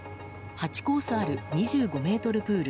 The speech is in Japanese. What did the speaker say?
８コースある２５ｍプール